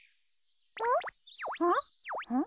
ん？